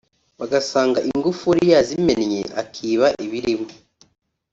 bagasanga ingufuri yazimennye akiba ibirimo